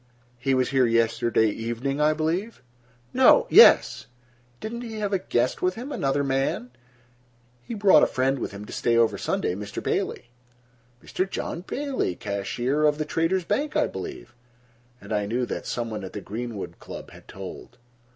"He was here yesterday evening, I believe?" "No—yes." "Didn't he have a guest with him? Another man?" "He brought a friend with him to stay over Sunday, Mr. Bailey." "Mr. John Bailey, the cashier of the Traders' Bank I believe." And I knew that some one at the Greenwood Club had told.